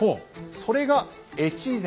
それが越前